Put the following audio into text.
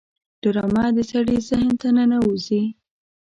ډرامه د سړي ذهن ته ننوزي